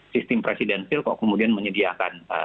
sistem presidensil kok kemudian menyediakan